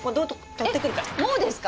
えっもうですか？